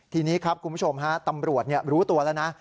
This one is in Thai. ทีนี้ครับคุณผู้ชมฮะตำรวจรู้ตัวแล้วนะ